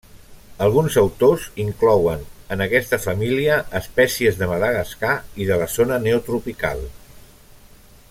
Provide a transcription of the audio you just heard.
Alguns autors inclouen en aquesta família espècies de Madagascar i de la zona neotropical.